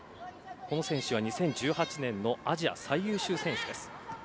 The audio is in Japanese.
この選手は２０１８年のアジア最優秀選手です。